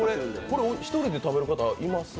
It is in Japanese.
これ１人で食べる方います？